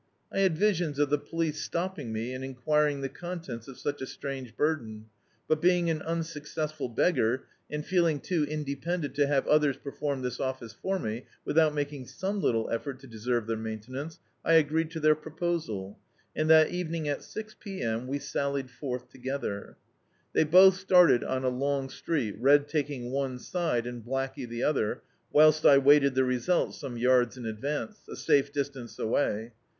I had visions of the police stopping me and enquiring the omtents of such a strange burden, but being an unsuccessful beggar, and feeling too independent to have others perform this office for me, without making some little effort to deserve their maintenance, I agreed to their pro posal, and that evening at six p. m., we sallied forth leather. They both started on a long street, Red taking one ade and Blackey tlie other, whilst I waited the result some yards in advance — a safe dis tance away.